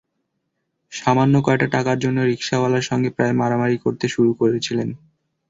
সামান্য কয়টা টাকার জন্য রিকশাওয়ালার সঙ্গে প্রায় মারামারি করতে শুরু করেছিলেন।